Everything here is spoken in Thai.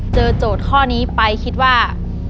โจทย์ข้อนี้ไปคิดว่า